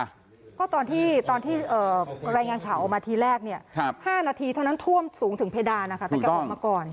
เพราะตอนที่ตอนที่รายงานข่าวออกมาทีแรกเนี่ย๕นาทีเท่านั้นท่วมสูงถึงเพดาน